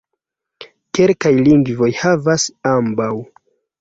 Kelkaj lingvoj havas ambaŭ.